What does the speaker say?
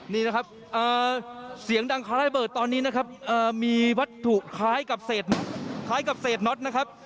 นี่นะครับเสียงดังคล้ายระเบิดตอนนี้นะครับมีวัตถุคล้ายกับเศษคล้ายกับเศษน็อตนะครับ